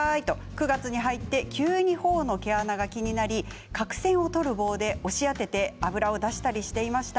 ９月に入って急にほおの毛穴が気になり角栓を取る棒で押し当てて脂を出したりしていました。